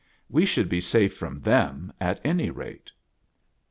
We should be safe from them at any rate.